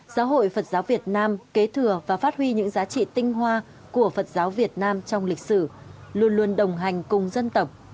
giáo hội phật giáo việt nam kế thừa và phát huy những giá trị tinh hoa của phật giáo việt nam trong lịch sử luôn luôn đồng hành cùng dân tộc